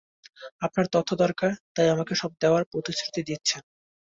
আপনার তথ্য দরকার, তাই আমাকে সব দেওয়ার প্রতিশ্রুতি দিচ্ছেন।